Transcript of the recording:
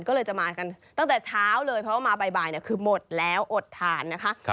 ก็เลยจะมากันตั้งแต่เช้าเลยเพราะว่ามาบ่ายคือหมดแล้วอดทานนะคะ